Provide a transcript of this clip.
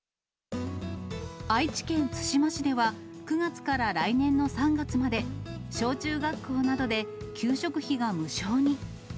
愛知県津島市では、９月から来年の３月まで、小中学校などで給食費が無償に。